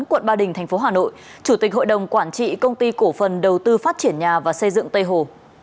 quận ba đình tp hà nội chủ tịch hội đồng quản trị công ty cổ phần đầu tư phát triển nhà và xây dựng tây hồ